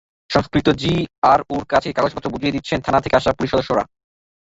সংশ্লিষ্ট জিআরওর কাছে কাগজপত্র বুঝিয়ে দিচ্ছেন থানা থেকে আসা পুলিশ সদস্যরা।